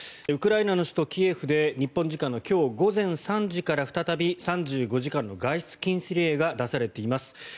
ウクライナの首都キエフで日本時間の今日午前３時から再び３５時間の外出禁止令が出されています。